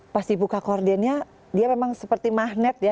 pas dibuka kordennya dia memang seperti magnet ya